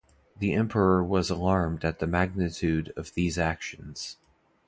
The Emperor was alarmed at the magnitude of these actions.